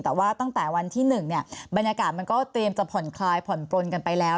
แต่ว่าตั้งแต่วันที่๑เนี่ยบรรยากาศมันก็เตรียมจะผ่อนคลายผ่อนปลนกันไปแล้ว